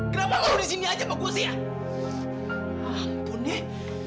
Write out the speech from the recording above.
kenapa lo disini aja sama gue sih